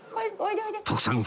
徳さん